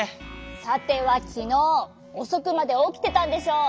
さてはきのうおそくまでおきてたんでしょ？